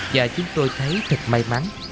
và chúng tôi thấy thật may mắn